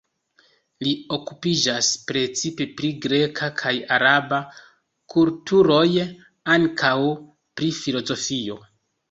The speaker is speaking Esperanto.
Li okupiĝas precipe pri greka kaj araba kulturoj, ankaŭ pri filozofio.